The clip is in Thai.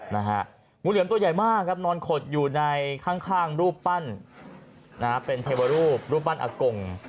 งูเหลือมตัวใหญ่มากครับนอนขดอยู่ในข้างรูปปั้นนะฮะเป็นเทวรูปรูปปั้นอากง